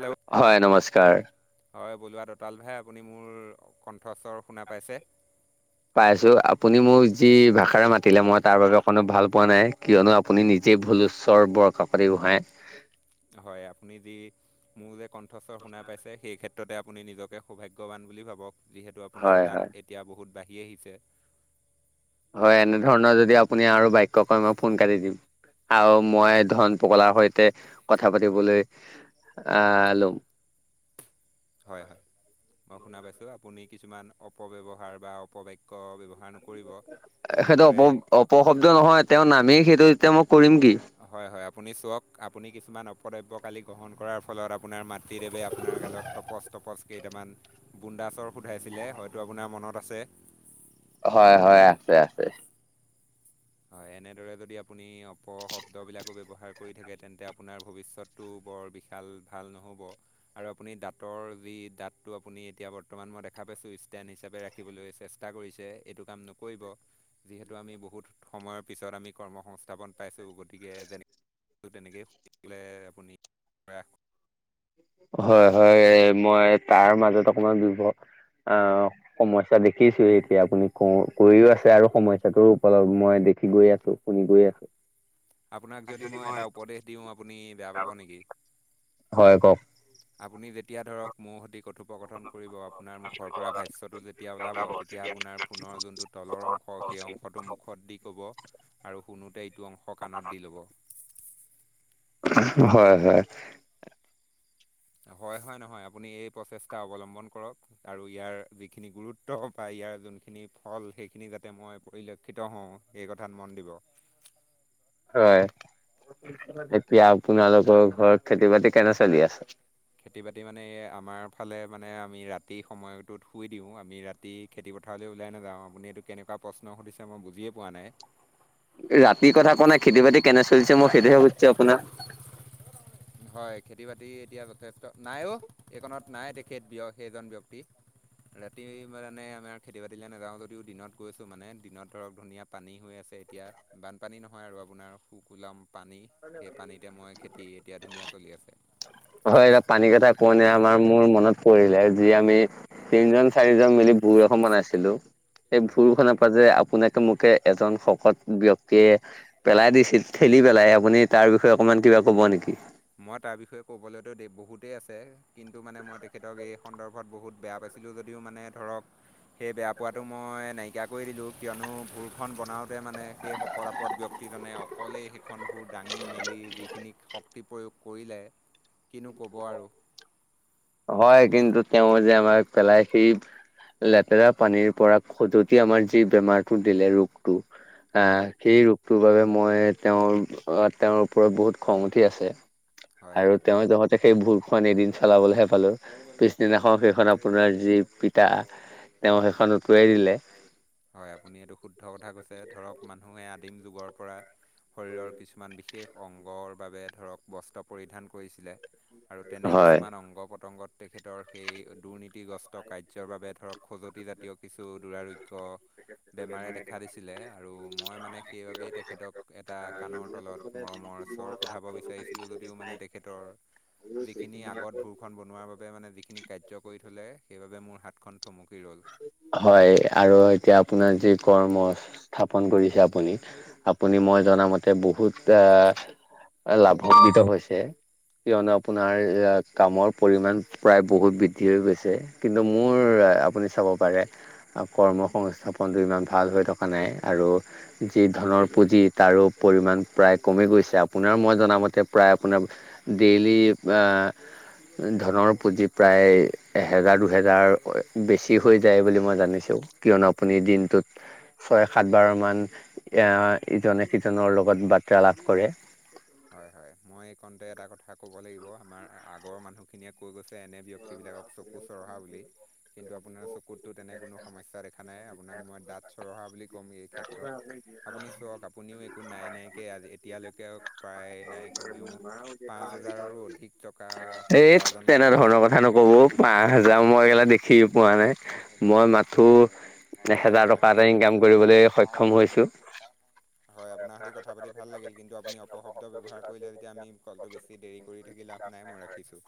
Hello, হয় নমস্কাৰ', হয়, বলিৱা দঁতাল ভাই, আপুনি মোৰ কণ্ঠস্বৰ শুনা পাইছে? পাই আছোঁ, আপুনি মোক যি ভাষাৰে মাতিলে মই তাৰ বাবে অকণো ভাল পোৱা নাই কিয়নো আপ', আপুনি নিজেই ভুলো উচৰ বৰ কাকতি গোহাঁই', হয় আপুনি যি', মোৰ যে কণ্ঠস্বৰ শুনা পাইছে সেই ক্ষেত্ৰতে আপুনি নিজকে সৌভাগ্যৱান বুলি ভাবক। যিহেতু হয় আপোনাৰ হয় দাঁত এতিয়া বহুত বাঢ়ি আহিছে। হয় এনেধৰণৰ যদি আপুনি আৰু বাক্য কয় মই ফোন কাটি দিম। আৰু মই ধন পগলাৰ সৈতে কথা পাতিবলৈ আহ লম। হয় হয় মই শুনা পাইছোঁ আপুনি কিছুমান অপব্যৱহাৰ বা অপবাক্য ব্যৱহাৰ নকৰিব সেইটো অপ যেনেদৰে অপশব্দ নহয় তেওঁ নামেই সেইটো যেতিয়া মই কৰিম কি। হয় হয় আপুনি চাওক আপুনি কিছুমান অপদ্ৰব্য কালি গ্ৰহণ কৰাৰ ফলত আপোনাৰ মাত তৃদেৱে আপোনাৰ গালত টপচ টপচ কেইটামান বুন্দা চৰ সোধাইছিলে হয়তো আপোনাৰ মনত আছে। হয় হয়, আছে আছে। হয়, এনেদৰে যদি আপুনি অপশব্দবিলাকো ব্যৱহাৰ কৰি থাকে তেন্তে আপোনাৰ ভৱিষ্যত টো বৰ বিশাল ভাল নহ'ব। আৰু আপুনি দাঁতৰ যি দাঁতটো আপুনি এতিয়া বৰ্তমান মই দেখা পাইছোঁ ষ্টেণ্ড হিচাপে ৰা- খিবলৈ চেষ্টা কৰিছে এইটো কাম নকৰিব, যিহেতু আমি বহুত সময়ৰ পিছত আমি কৰ্ম সংস্থাপন পাইছোঁ, গতিকে যেনে ত' তেনেকেই শুলে আপুনি প্ৰয়াস হয় হয়, মই তাৰ মাজত অকমান ব্যৱ আহ সমস্যা দেখিছো, এতিয়া আপুনি ক কৰিও আছে আৰু সমস্যাটোৰ উপলব্ধ মই দেখি গৈ আছো। নিজে আপোনাক যদি মই এটা উপদেশ দিওঁ, আপুনি বেয়া পাব নেকি? হয় কওক। আপুনি যেতিয়া ধৰক মৌ হতি কথোপ উপকঠন কৰিব আপোনাৰ মুখৰ পৰা ভাষ্যটো যেতিয়া ওলাব, তেতিয়া আপোনাৰ পুনৰ যোনটোত তলৰ অংশ, সেই অংশটো মুখত দি ক'ব আৰু শুনোতে এইটো অংশ কাণত দি ল'ব। হয় হয়। হয় হয় নহয় আপুনি এই প্ৰচেষ্টা অৱলম্বন কৰক। আৰু ইয়াৰ যিখিনি গুৰুত্ব বা ইয়াৰ যোনখিনি ফল সেইখিনি যাতে মই পৰিলক্ষিত হওঁ। এই কথাত মন দিব। হয়, এতিয়া আপোনালোকৰ ঘৰত খেতি বাতি কেনে চলি আছে? খেতি বাতি মানে এই আমাৰ ফালে মানে আমি ৰাতি সময়টোত শুই দিওঁ। আমি ৰাত- খেতি -খেতি পথাৰলৈ ওলাই নাযাওঁ, আপুনি এইটো কেনেকুৱা প্ৰশ্ন সুধিছে মই বুজিয়ে পোৱা নাই? ৰাতিৰ কথা কোৱা নাই, খেতি বাতি কেনে চলিছে মই সেইটোহে সুধিছো আপোনাক? হয় খেতি বাতি এতিয়া যথেষ্ট নাই অ এইকণত নাই তেখেত ব্যয় সেইজন ব্যক্তি। ৰাতি মানে আমাৰ খেতি বাতিলে নাযাওঁ যদিও দিনত গৈছোঁ মানে, দিনত ধৰক ধুনীয়া। পানী হৈ আছে এতিয়া বানপানী নহয় আৰু আপোনাৰ শুকোলাম পানী, সেই পানীতে মই খেতি এতিয়া ধুনীয়া চলি আছে। হয়, এ পানীকেইটা পণে আমাৰ মোৰ মনত পৰিলে যি আমি তিনজন চাৰিজন মিলি ভোৰ এখন বনাইছিলো, সেই হয় ভোৰ খনত যে আপোনাকে মোকে এজন শকত ব্যক্তিয়ে পেলাই দিছিল ঠেলি পেলাই আপুনি তাৰ বিষয়ে অকণমান কিবা ক'ব নেকি? মই তাৰ বিষয়ে ক'বলৈতো বহুতেই আছে কিন্তু মানে মই তেখেতক এই সন্দৰ্ভত বহুত বেয়া পাইছিলোঁ যদিও মানে ধৰক সেই বেয়া পোৱাটো মই নাইকিয়া কৰি দিলোঁ কিয়নো ভুলখন বনাওঁ মানে সেই শকত আপদ ব্যক্তিজনে অকলেই সেইখনবোৰ দাঙি মেলি যিখিনি শক- শক্তি প্ৰয়োগ কৰিলে কিনো ক'ব আৰু। হয় কিন্তু তেওঁ যে আমাৰ পেলাই সেই লেতেৰা পানীৰ পৰা খজতি আমাৰ যি বেমাৰটো দিলে ৰোগটো হয় আহ সেই ৰোগটোৰ বাবে মই তেওঁৰ, তেওঁৰ ওপৰত বহুত খং উঠি আছে। হয় হয় আৰু তেওঁ জহতে সেই ভুৰ খন এদিন চলাবলেহে পালোঁ, পিছদিনাখন সেইখন আপোনাৰ যি পিতা, তেওঁ সেইখন উটুৱাই দিলে। হয় আপুনি এইটো শুদ্ধ কথা কৈছে, ধৰক মানুহে আদিম যুগৰ পৰা শৰীৰৰ কিছুমান বিশেষ অংগৰ বাবে ধৰক বস্ত্ৰ পৰিধান কৰিছিলে। আৰু তেনে হয়। কিছুমান অংগ- পতংগত তেখেতৰ সেই দুৰ্নীতিগ্ৰস্ত কাৰ্যৰ বাবে ধৰক খজুৱতিজাতীয় কিছু দুৰাৰো গ্য বেমাৰে দেখা দিছিলে আৰু মই মানে সেইবাবেই তেখেতক এটা কাণৰ তলত মৰমৰ স্বৰ সোধাব বিচাৰিছিলোঁ যদিও মানে তেখেতৰ যিখিনি আগত ভোৰখন বনোৱাৰ বাবে মানে যিখিনি কাৰ্য কৰি থ'লে সেইবাবে মোৰ হাতখন থমকি ৰ'ল। হয় আৰু এতিয়া আপোনাৰ যি কৰ্ম স্থাপন কৰিছে, আপুনি আপুনি মই জনামতে বহুত আ আ লাভান্বিত হৈছে কিয়নো আপোনাৰ কামৰ পৰিমাণ প্ৰায় বহুত বৃদ্ধি হৈ গৈছে কিন্তু মোৰ আপুনি চাব পাৰে কৰ্ম সংস্থাপনটো ইমান ভাল হৈ থকা নাই আৰু যি ধনৰ পুঁজি তাৰো পৰিমাণ প্ৰায় কমি গৈছে আপোনাৰ মই জনামতে প্ৰায় আপোনাৰ ডেইলী আঁ ধনৰ পুঁজি প্ৰায় এহেজাৰ দুহেজাৰ বেছি হৈ যায় বুলি মই জানিছো কিয়নো আপুনি দিনটোত ছয় সাত বাৰমান ইজনে সিজনৰ লগত বাৰ্তা লাভ কৰে। হয় হয় মই এই কণতে এটা কথা ক'ব লাগিব আমাৰ আগৰ মানুহখিনিয়ে কৈ গৈছে এনে ব্যক টি বিলাকক চকু চৰহা বুলি কিন্তু আপোনাৰ চকুততো তেনে কোনো সমস্যা দেখা নাই আপোনাক মই দাঁত চৰহা বুলি কম এই ক্ষেত্ৰত, আপুনি চাওক আপুনিও একো নাই নাইকে আজি এতিয়ালৈকে প্ৰায় নাই কমেও পাঁচ হেজাৰৰো অধিক টকা এই উপাৰ্জন তেনে কৰিলে ধৰণৰ কথা নক'ব, পা হাজাৰ মইগিলা দেখি পোৱা নাই মই মাথো- এ হয় হয় হেজাৰ মই টকা এটা ৰাখিছোঁ ইনকাম কৰিবলৈ সক্ষম হৈছো। হয় আপোনাৰ সৈতে কথা পাতি ভাল লাগিল কিন্তু আপুনি অপশব্দ ব্যৱহাৰ কৰিলে তেতিয়া আমি কলটো বেছি দেৰি কৰি থাকি লাভ নাই মই ৰাখিছো।